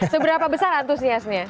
seberapa besar antusiasnya